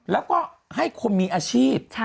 แล้วก็ให้คนมีอาชีพ